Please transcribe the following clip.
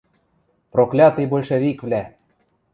Проклятый большевиквлӓ!